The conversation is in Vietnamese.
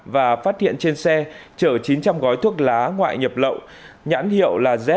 và phát hiện trên xe chở chín trăm linh gói thuốc lá ngoại nhập lậu nhãn hiệu là z